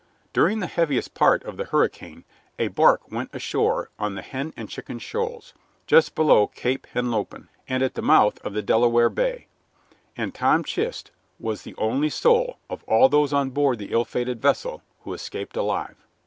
During the heaviest part of the hurricane a bark went ashore on the Hen and Chicken Shoals, just below Cape Henlopen and at the mouth of the Delaware Bay, and Tom Chist was the only soul of all those on board the ill fated vessel who escaped alive.